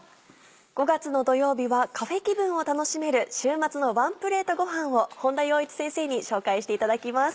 ５月の土曜日はカフェ気分を楽しめる週末のワンプレートごはんを本田よう一先生に紹介していただきます。